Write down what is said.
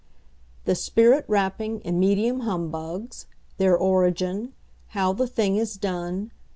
THE SPIRIT RAPPING AND MEDIUM HUMBUGS. THEIR ORIGIN. HOW THE THING IS DONE.